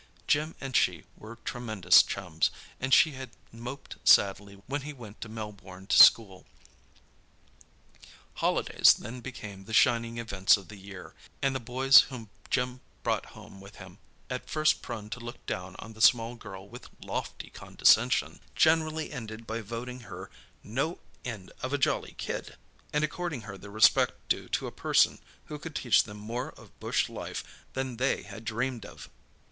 Jim and she were tremendous chums, and she had moped sadly when he went to Melbourne to school. Holidays then became the shining events of the year, and the boys whom Jim brought home with him, at first prone to look down on the small girl with lofty condescension, generally ended by voting her "no end of a jolly kid," and according her the respect due to a person who could teach them more of bush life than they had dreamed of.